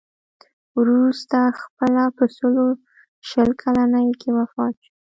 وروسته خپله په سلو شل کلنۍ کې وفات شو.